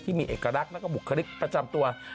เอกลักษณ์แล้วก็บุคลิกประจำตัว